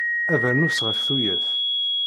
Abernus ɣef tuyat.